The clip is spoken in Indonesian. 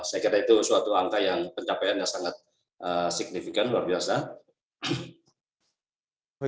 saya kira itu suatu angka yang pencapaian yang sangat signifikan luar biasa